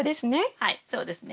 はいそうですね。